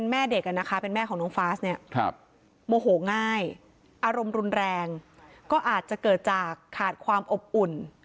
โมโหง่ายอารมณ์รุนแรงก็อาจจะเกิดจากขาดความอบอุ่น